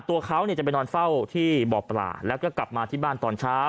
ตัวเขาจะไปนอนเฝ้าที่บ่อปลาแล้วก็กลับมาที่บ้านตอนเช้า